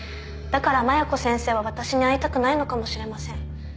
だから麻弥子先生は私に会いたくないのかもしれません。